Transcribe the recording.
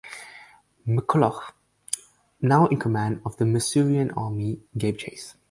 McCulloch, now in command of the Missourian army, gave chase.